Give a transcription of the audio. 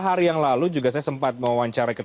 hari yang lalu juga saya sempat mewawancarai